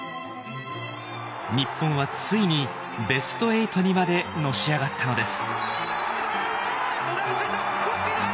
日本はついにベスト８にまでのし上がったのです。